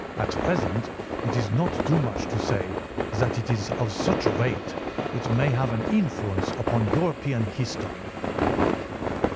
At present it is not too much to say that it is of such weight it may have an influence upon European history."